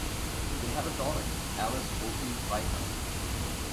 They have a daughter, Alice Wolfe Reichert.